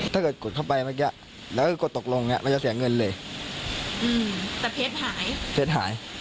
แต่รู้แค่ว่าไปเชื่อมไปลิ้งก์ไว้